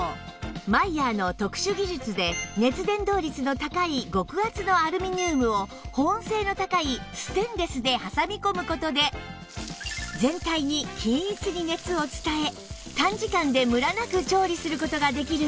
マイヤーの特殊技術で熱伝導率の高い極厚のアルミニウムを保温性の高いステンレスで挟み込む事で全体に均一に熱を伝え短時間でムラなく調理する事ができるんです